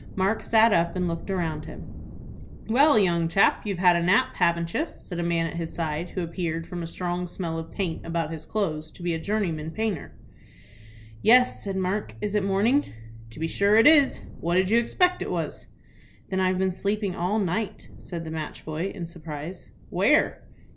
Mark sat up and looked around him. "Well, young chap, you've had a nap, haven't you?" said a man at his side, who appeared, from a strong smell of paint about his clothes, to be a journeyman painter. "Yes," said Mark. "Is it morning?" "To be sure it is. What did you expect it was?" "Then I've been sleeping all night," said the match boy, in surprise. "Where?"